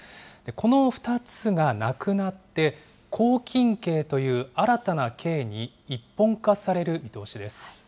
この２つがなくなって、拘禁刑という新たな刑に一本化される見通しです。